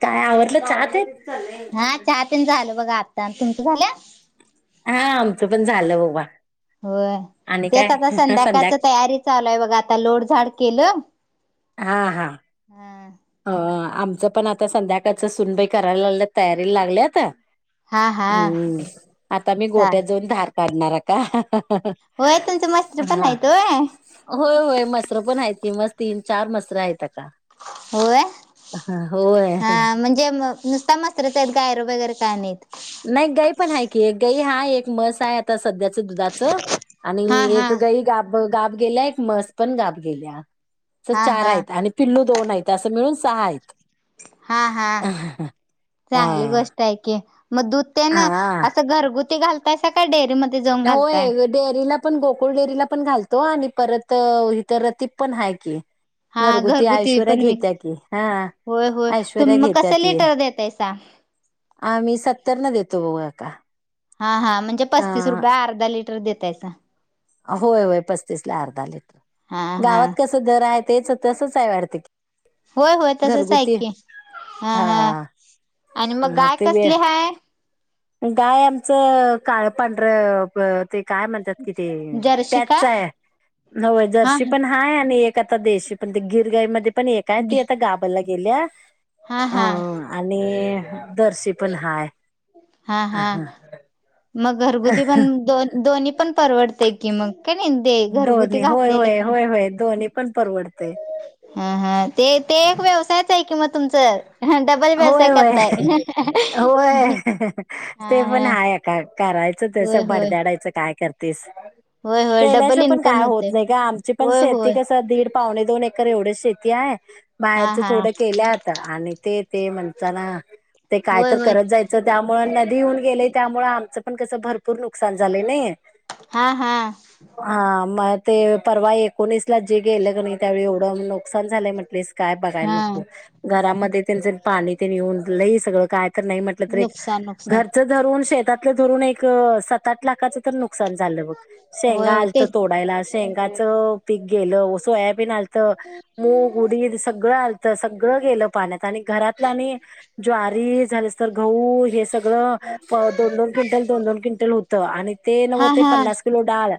काय आवडलं चा ते तुमच झाल्या हा आमचं पण झालं बाबा होय आणि त्याचा आता काय संध्या संध्याकाळच तयारी चालू आहे बघ आता लोडझाड केलं हा हा हा अ आमचं पण आता संध्याकाळच सुनबाई करायला तयारीला लागल्याता हा हा हम्म आता मी चाल गोठ्यात जाऊन धार काढणार का होय तुमच मस्त्री पण हा नाही तोय होय होय मसरं पण आहेयची मस् तीन चार मसरं आहेत का होय होय हा म्हणजे नुसता मस्रत आहेत गायर वगैरे नेत नाही गई पण आहे की गई हा एक मस आहे आता सध्याच दुधाचं आणि हा हा एक गई गाब गाब गेल्या एक मस पण गाब गेल्या अस हा चार हा आहेत आणि पिल्लू दोन आहेत असं मिळून सहा आहेत हा हा चांगली हा गोष्ट आहे की मग दूध ते ना हा असं घरगुती घालतायस का डेअरीमध्ये जाऊन घालताय होय डेअरीला आपण गोकुळ डेअरीला पण घालतो आणि परत इथर रतीप पण आहे की हा घरगुती ऐश्वर्या पण विक घेत्या की हा होय होय तुम ऐश्वर्या मग कस लिटर दतायसा आ मी सत्तर न देतो बघा का हा हा म्हणजे पस्तीस हा रुपये अर्धा लिटर देतायचा होय होय पस्तीस ला अर्धा लिटर हा तर हा गावात कस दर आहे तेच तसच आहे वाटत की होय होय तसच घरगुती ऐके हा हा आणि मग गाय ते वेळ कसली हाय गाय आमचं काळ पांढरं ते काय म्हणतात कि ते जर्शी का पॅचच आहे नय हा जर्शी पण हाय आणि आता देशी पण गिरगाई मध्ये पण एकय ती आता गाबरयला गेली हा हा अं आणि जर्सी पण हाय हा हा मग घरगुती पण दोन्ही पण परवडते की मग काय नाही दे घरगुती दोन्ही होय घातलेले होय पण होय होय दोन्ही पण परवडते हा हा ते ते एक व्यवसायच आहे कि म तुमचं डबल होय व्यवसाय होय करताय होय ते पण हा हाय का करायचं तेस होय होय बडद्याडायचं काय करतेस होय होय डबल केल्याशिवाय पण इन्कम काय होत होतय नाही का आमची पण होय शेती होय कस दीड पावणे दोन एकर एवढे शेती आहे हा माहेरची हा केले थोडे आत ते ते म्हणता ना ते काय होय तर होय करत जायचं त्यामुळे नदी येऊन गेले त्यामुळे आमचं पण त्यासं भरपूर नुकसान झाले नाहीे हा हा मग ते परवा एकोणीसला जे गेलं क नाही त्यावेळी एवढं नुकसान झालंय म्हटलेस काय बघायला हा नको घरामध्ये त्यांच पाणीऊन ल सगळं काय म्हट नुकसान नुकसान घरचून शेतात ून स ला नुकसान झालं मग शेंगा होय हो ते आलत तोडायला शेंगाचं पीक गेलं व सोयाबीन आत मूग उडी सगळं आलत सगळ घ ज झा सगळ दोन दोन क्विंटल दोन दोन क्विंटल होत आणि ते हा नव्व ते हा पन्नास किलो डाळ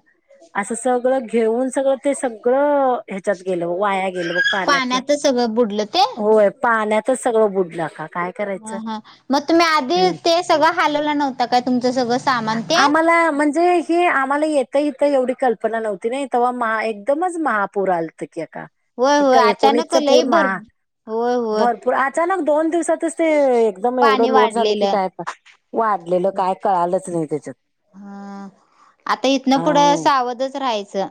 असं सगळं घेऊन सगळं ते सगळं ह्याच्यात गेले वाया गेलं म पाण्यात पाण्यातच सगळं बुडलं ते होय पाण्यात सगळं बुडलं का काय करायचं हा हा मग तुम्ही आधी हम्म ते सगळं हलवलं नव्हतता काय तुमचं सगळं सामान ते आम्हाला म्हणजे हे आम्हाला येत इथं एवढी कल्पना नव्हती ना तेव्हा महा एकदमच महापूर आलते का होय ते होय का अचानक एकोणीसचा लई पूर भर महा होय होय भरपूर अचानक दोन दिवसातच ते एकदम पाणी एवढं लोड झालं की वाढलेलं काय पण वाढलेलं काय कळालंच नाही त्याच्यात हा आता इथन अ पुढं सावधच राहायचं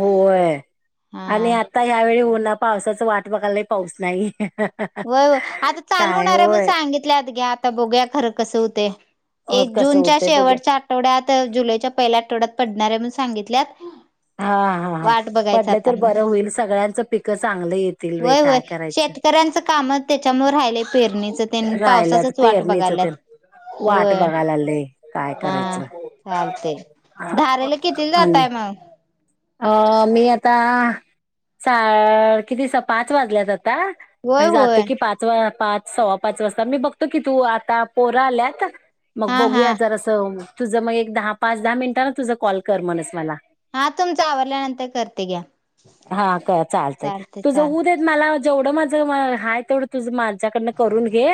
होय आणि हा आता ह्यावेेळी उन्हा पावसाच वाट बघायला नाही पाऊस नाहीे होय हो आता चालू होणार आहे मण सांगितल्यात घ्या आता बघूया खरं कसं होते अ एक कसं जूनच्या होतंय बघूया शेवटच्या आठवड्यात जुलैच्या पहिल्या आठवड्यात पडणार आहे म सांगितल्यात हा हा हा वाट बघायच पडलं आता तर मग बरं होईल सगळ्यांचं पिक चांगलं येतील वय काय करायचं. त्यांचं कामच त्याच्यामुळे राहिलंय पेरणीच त्यांनी राहिला पावसाचाच वाट पेरणीच बघाल्यात. ते वाट होय बघायला लागले काय हा करायचं चालते. आ- धारेला किती आणि जातय मग? अ मी आता सा किती पाच वाजल्यात आता होय होय जातो की पाच पाच सव्वा पाच वाजता मी बघतो की तू आता पोरा आल्यात मग हा हा बघूया जरासं. तुझं मग एक दहा पाच दहा मिनिटांने तुझा कॉल कर म्हणस मला. हा तुमचं आवरल्यानंतर करते घ्या हा का चालतय चालते तुझ चालते ऊदेत मला जेवढं माझं हा तेवढं तुझ माझ्याकडनं करून घे.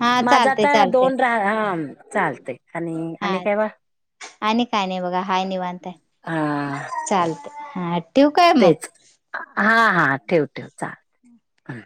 हा चालते माझाता चालते दोन रा ह चालते आणि हा आणि काय म. आणि काय नाही बघा हाय निवांत आहे हा. चालते हा. ठेवू काय मग तेच हा हा ठेव ठेव चालतं.